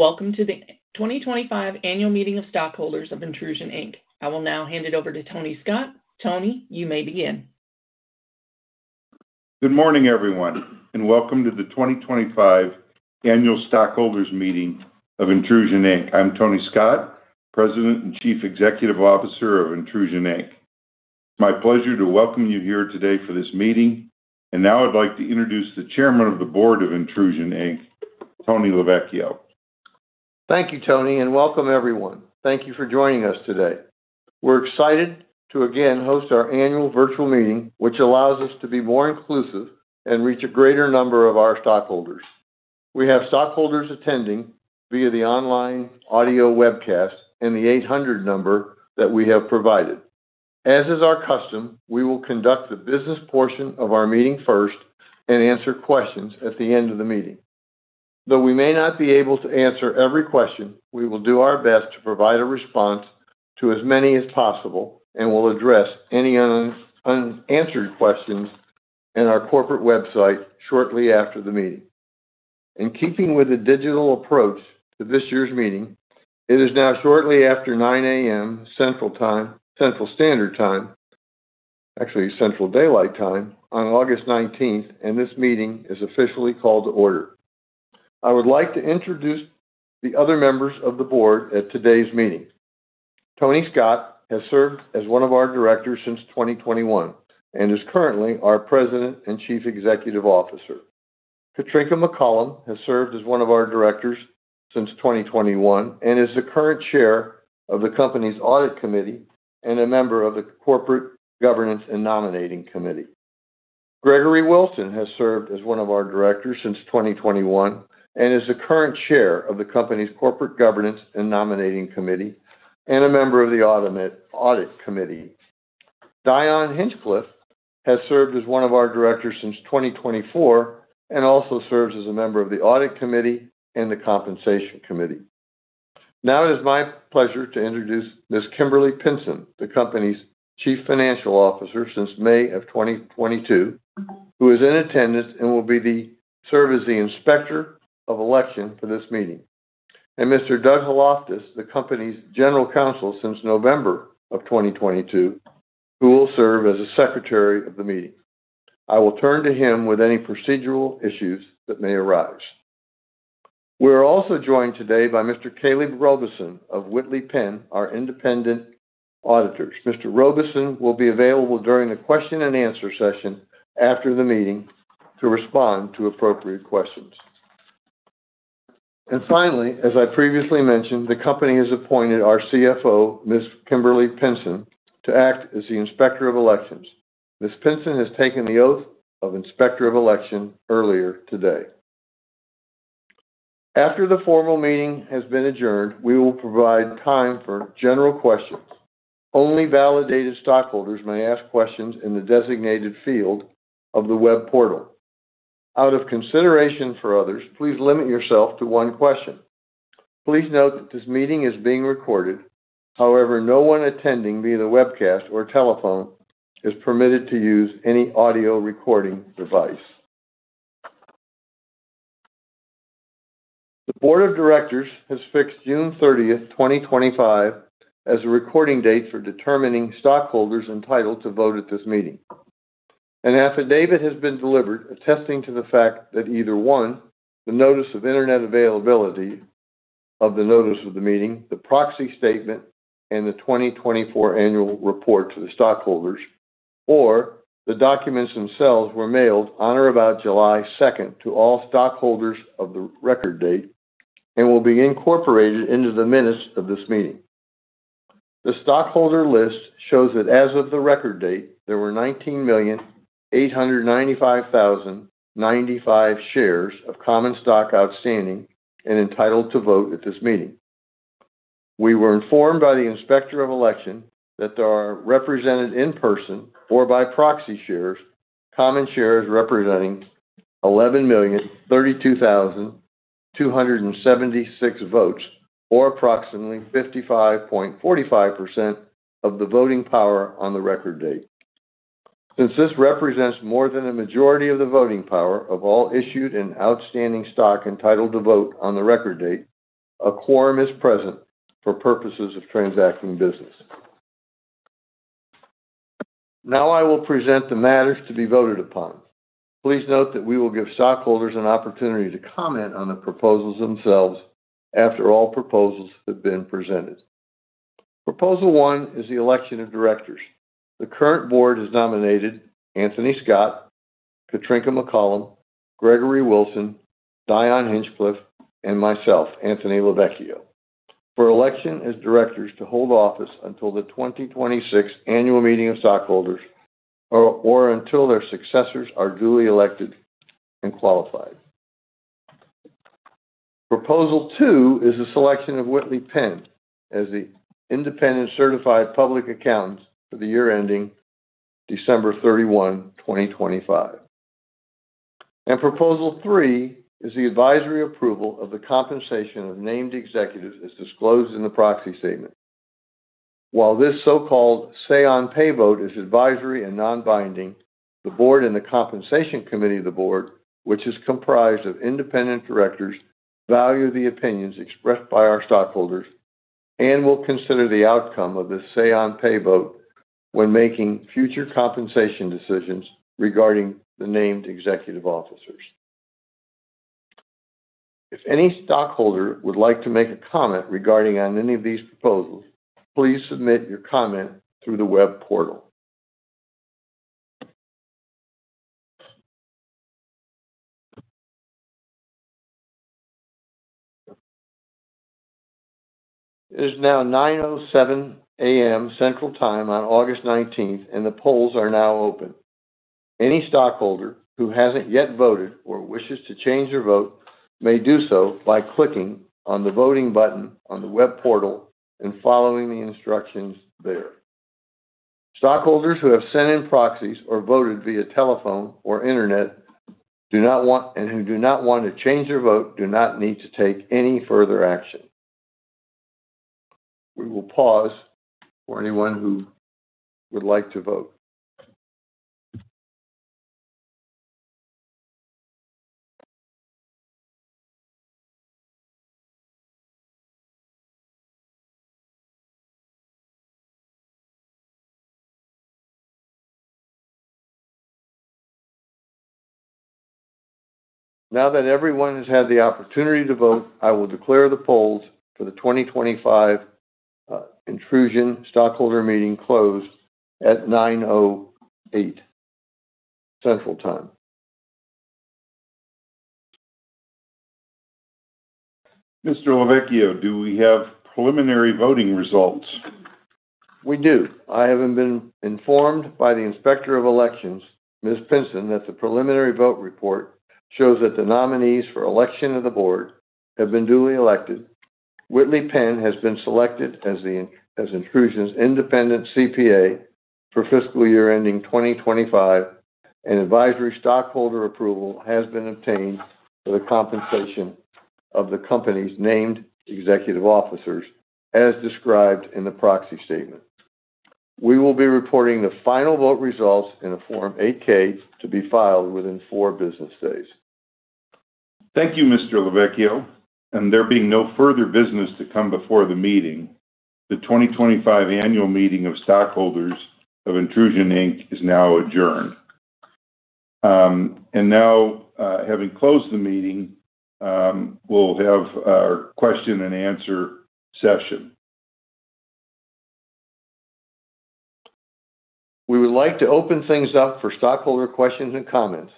Welcome to the 2025 Annual Meeting of Stockholders of Intrusion Inc. I will now hand it over to Tony Scott. Tony, you may begin. Good morning, everyone, and welcome to the 2025 Annual Stockholders Meeting of Intrusion Inc. I'm Tony Scott, President and Chief Executive Officer of Intrusion Inc. It's my pleasure to welcome you here today for this meeting. I'd like to introduce the Chairman of the Board of Intrusion Inc., Anthony LeVecchio. Thank you, Tony, and welcome, everyone. Thank you for joining us today. We're excited to again host our annual virtual meeting, which allows us to be more inclusive and reach a greater number of our stockholders. We have stockholders attending via the online audio webcast and the 800 number that we have provided. As is our custom, we will conduct the business portion of our meeting first and answer questions at the end of the meeting. Though we may not be able to answer every question, we will do our best to provide a response to as many as possible and will address any unanswered questions on our corporate website shortly after the meeting. In keeping with a digital approach to this year's meeting, it is now shortly after 9:00 A.M. Central Time, Central Standard Time, actually Central Daylight Time on August 19, and this meeting is officially called to order. I would like to introduce the other members of the Board at today's meeting. Tony Scott has served as one of our directors since 2021 and is currently our President and Chief Executive Officer. Katrinka McCallum has served as one of our directors since 2021 and is the current Chair of the company's Audit Committee and a member of the Corporate Governance and Nominating Committee. Gregory Wilson has served as one of our directors since 2021 and is the current Chair of the company's Corporate Governance and Nominating Committee and a member of the Audit Committee. Dion Hinchcliffe has served as one of our directors since 2024 and also serves as a member of the Audit Committee and the Compensation Committee. Now it is my pleasure to introduce Ms. Kimberly Pinson, the company's Chief Financial Officer since May of 2022, who is in attendance and will serve as the Inspector of Election for this meeting. Mr. Doug Haloftis, the company's General Counsel since November of 2022, will serve as Secretary of the meeting. I will turn to him with any procedural issues that may arise. We are also joined today by Mr. Caleb Robison of Whitley Penn, our independent auditors. Mr. Robison will be available during the question and answer session after the meeting to respond to appropriate questions. Finally, as I previously mentioned, the company has appointed our CFO, Ms. Kimberly Pinson, to act as the Inspector of Election. Ms. Pinson has taken the oath of Inspector of Election earlier today. After the formal meeting has been adjourned, we will provide time for general questions. Only validated stockholders may ask questions in the designated field of the web portal. Out of consideration for others, please limit yourself to one question. Please note that this meeting is being recorded. However, no one attending via the webcast or telephone is permitted to use any audio recording device. The Board of Directors has fixed June 30, 2025, as the record date for determining stockholders entitled to vote at this meeting. An affidavit has been delivered attesting to the fact that either one, the notice of internet availability of the notice of the meeting, the proxy statement, and the 2024 annual report to the stockholders, or the documents themselves were mailed on or about July 2 to all stockholders of the record date and will be incorporated into the minutes of this meeting. The stockholder list shows that as of the record date, there were 19,895,095 shares of common stock outstanding and entitled to vote at this meeting. We were informed by the Inspector of Election that there are represented in person or by proxy shares, common shares representing 11,032,276 votes, or approximately 55.45% of the voting power on the record date. Since this represents more than a majority of the voting power of all issued and outstanding stock entitled to vote on the record date, a quorum is present for purposes of transacting business. Now I will present the matters to be voted upon. Please note that we will give stockholders an opportunity to comment on the proposals themselves after all proposals have been presented. Proposal one is the election of directors. The current board has nominated Tony Scott, Katrinka McCallum, Gregory Wilson, Dion Hinchcliffe, and myself, Anthony LeVecchio, for election as directors to hold office until the 2026 Annual Meeting of Stockholders or until their successors are duly elected and qualified. Proposal two is the selection of Whitley Penn as the Independent Certified Public Accountant for the year ending December 31, 2025. Proposal three is the advisory approval of the compensation of named executives as disclosed in the proxy statement. While this so-called say-on-pay vote is advisory and non-binding, the board and the Compensation Committee of the board, which is comprised of independent directors, value the opinions expressed by our stockholders and will consider the outcome of the say-on-pay vote when making future compensation decisions regarding the named executive officers. If any stockholder would like to make a comment regarding any of these proposals, please submit your comment through the web portal. It is now 9:07 A.M. Central Time on August 19th, and the polls are now open. Any stockholder who hasn't yet voted or wishes to change their vote may do so by clicking on the voting button on the web portal and following the instructions there. Stockholders who have sent in proxies or voted via telephone or internet and who do not want to change their vote do not need to take any further action. We will pause for anyone who would like to vote. Now that everyone has had the opportunity to vote, I will declare the polls for the 2025 Intrusion Stockholder Meeting closed at 9:08 A.M. Central Time. Mr. LeVecchio, do we have preliminary voting results? We do. I have been informed by the Inspector of Election, Ms. Pinson, that the preliminary vote report shows that the nominees for election of the board have been duly elected. Whitley Penn has been selected as Intrusion Inc.'s independent CPA for fiscal year ending 2025, and advisory stockholder approval has been obtained for the compensation of the company's named executive officers, as described in the proxy statement. We will be reporting the final vote results in a Form 8-K to be filed within four business days. Thank you, Mr. LeVecchio. There being no further business to come before the meeting, the 2025 Annual Meeting of Stockholders of Intrusion Inc. is now adjourned. Now, having closed the meeting, we'll have a question and answer session. We would like to open things up for stockholder questions and comments.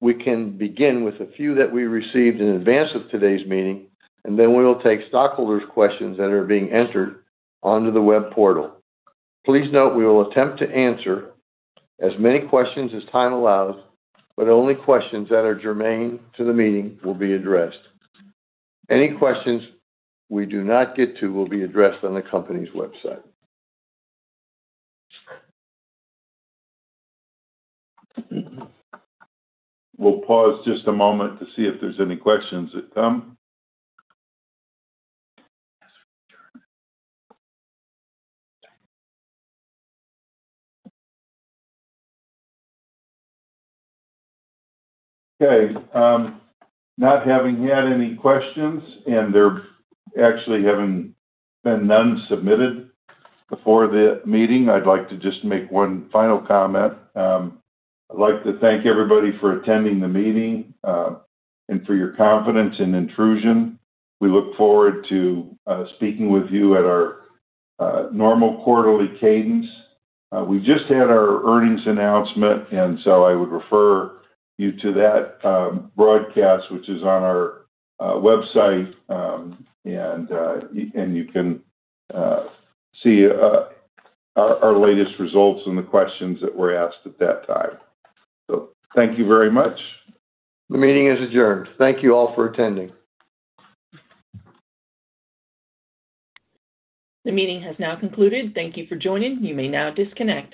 We can begin with a few that we received in advance of today's meeting, and then we will take stockholders' questions that are being entered onto the web portal. Please note we will attempt to answer as many questions as time allows, but only questions that are germane to the meeting will be addressed. Any questions we do not get to will be addressed on the company's website. We'll pause just a moment to see if there's any questions that come. Okay. Not having had any questions, and there actually have been none submitted before the meeting, I'd like to just make one final comment. I'd like to thank everybody for attending the meeting and for your confidence in Intrusion Inc. We look forward to speaking with you at our normal quarterly cadence. We just had our earnings announcement, and I would refer you to that broadcast, which is on our website, and you can see our latest results and the questions that were asked at that time. Thank you very much. The meeting is adjourned. Thank you all for attending. The meeting has now concluded. Thank you for joining. You may now disconnect.